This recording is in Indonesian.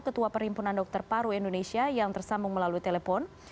ketua perhimpunan dokter paru indonesia yang tersambung melalui telepon